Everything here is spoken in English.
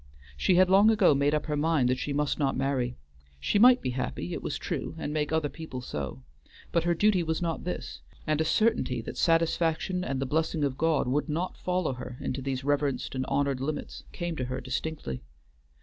She had long ago made up her mind that she must not marry. She might be happy, it was true, and make other people so, but her duty was not this, and a certainty that satisfaction and the blessing of God would not follow her into these reverenced and honored limits came to her distinctly.